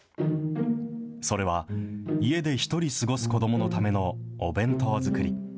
それは、家で一人過ごす子どものための、お弁当作り。